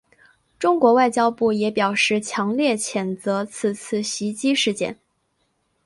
中国外交部也表示强烈谴责此次袭击事件。